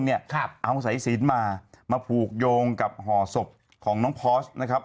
เอาไศศิลป์มามาผูกโยงกับห่อศพของน้องพอร์ช